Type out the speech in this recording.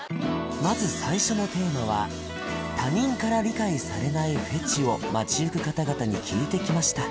まず最初のテーマは他人から理解されないフェチを街ゆく方々に聞いてきました